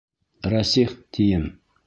Рәсих, тием!